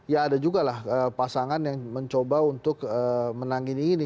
ya ada juga lah pasangan yang mencoba untuk menang ini ini